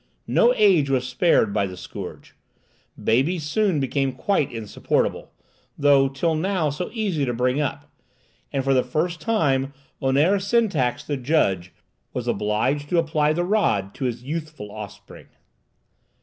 No age was spared by the scourge. Babies soon became quite insupportable, though till now so easy to bring up; and for the first time Honoré Syntax, the judge, was obliged to apply the rod to his youthful offspring.